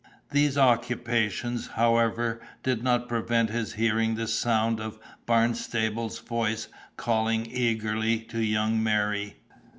These occupations, however, did not prevent his hearing the sounds of Barnstable's voice calling eagerly to young Merry.